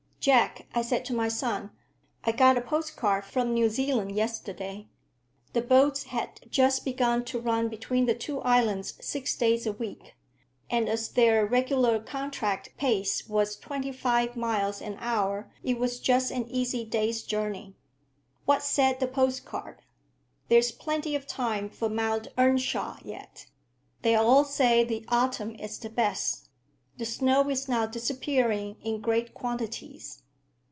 "Jack," I said to my son, "I got a post card from New Zealand yesterday." The boats had just begun to run between the two islands six days a week, and as their regular contract pace was twenty five miles an hour, it was just an easy day's journey. "What said the post card?" "There's plenty of time for Mount Earnshawe yet. They all say the autumn is the best. The snow is now disappearing in great quantities."